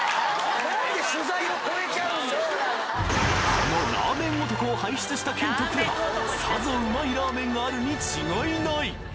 ・このラーメン男を輩出した県とくればさぞうまいラーメンがあるに違いない！